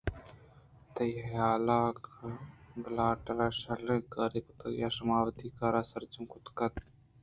تئی حیالءَ گلاٹرءَ شرّیں کارے کُتگ یا شماوتی کار سرجم کُت کُتگ اَنت